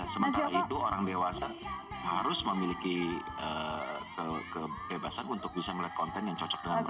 sementara itu orang dewasa harus memiliki kebebasan untuk bisa melihat konten yang cocok dengan mereka